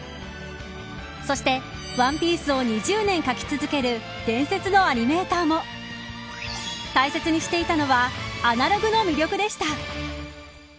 そして、ＯＮＥＰＩＥＣＥを２０年描き続ける伝説のアニメーターも大切にしていたのはアナログの魅力でした。